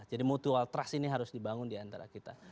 jadi mutual trust ini harus dibangun di antara kita